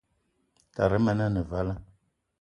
Tara men ane vala.